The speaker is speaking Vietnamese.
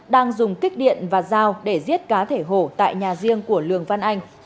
đang dùng kích điện và dao để giết cá thể hổ tại nhà riêng của lường văn anh